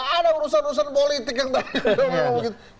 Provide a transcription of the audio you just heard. ada urusan urusan politik yang tadi